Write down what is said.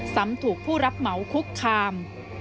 ซ้ำถูกผู้รับเหมาคุกคาม